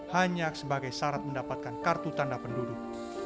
hanya sebagai syarat mendapatkan kartu tanda penduduk